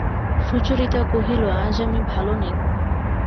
সুচরিতা কহিল, আজ আমি ভালো নেই।